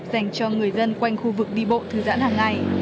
dành cho người dân quanh khu vực đi bộ thư giãn